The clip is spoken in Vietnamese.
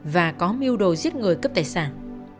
và có mưu đồ giết người cấp tài sản